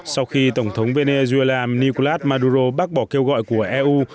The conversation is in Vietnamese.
sau khi tổng thống venezuela nicolas maduro bác bỏ kêu gọi của eu